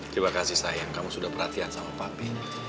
terima kasih sayang kamu sudah perhatian sama papi